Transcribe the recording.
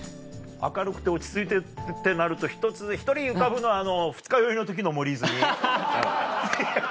明るくて落ち着いてるってなると１人浮かぶのは二日酔いの時の森泉。